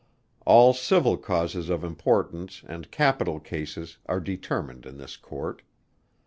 All civil causes of importance and capital cases are determined in this Court.